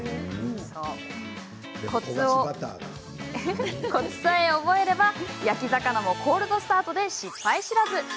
コツさえ覚えれば焼き魚もコールドスタートで失敗知らず。